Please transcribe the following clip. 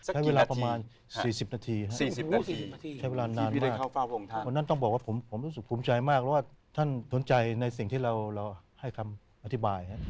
ใช้เวลาประมาณสี่สิบนาทีครับ